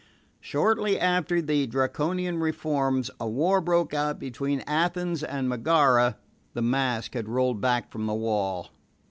Shortly after the Draconian reforms, a war broke out between Athens and Megara The mask had rolled back from the wall.